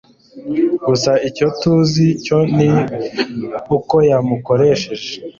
gusa icyo tuzi cyo ni uko yamukoresheje